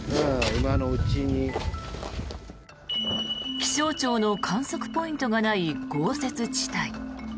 気象庁の観測ポイントがない豪雪地帯。